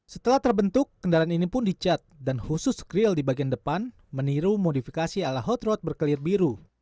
setelah terbentuk kendaraan ini pun dicat dan khusus scrill di bagian depan meniru modifikasi ala hot road berkelir biru